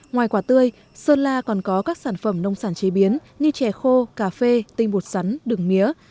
ngoài quả tươi sơn la còn có các sản phẩm nông sản chế biến như chè khô cà phê tinh bột sắn đường mía